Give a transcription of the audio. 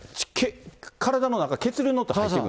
体の中、血流に乗って入っていく。